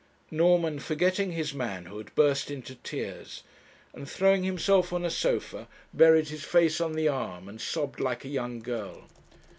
Norman, forgetting his manhood, burst into tears, and throwing himself on a sofa, buried his face on the arm and sobbed like a young girl.